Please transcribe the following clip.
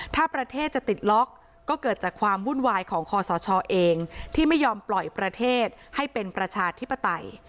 ถ้าประเทศจะติดล็อกก็เกิดจากความวุ่นวายของคอสชเองที่ไม่ยอมปล่อยประเทศให้เป็นประชาธิปไตย